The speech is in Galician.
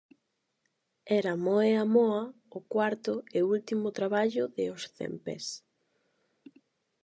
Era "Moe a moa" o cuarto e último traballo de "Os cempés".